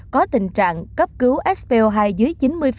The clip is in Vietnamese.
có tình trạng cấp cứu sp hai dưới chín mươi